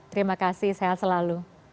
terima kasih sehat selalu